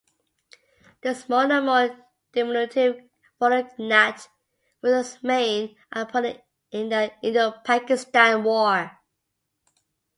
The smaller more diminutive Folland Gnat was its main opponent in the Indo-Pakistan war.